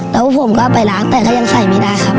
แล้วผมก็ไปล้างแต่ก็ยังใส่ไม่ได้ครับ